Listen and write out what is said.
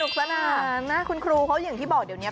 สนานนะคุณครูเขาอย่างที่บอกเดี๋ยวนี้